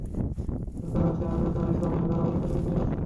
কিন্তু যার আসে, আজও তারই শ্রবণে ধরা পড়ল কিশোরী বিনুর অশ্রুত সুর।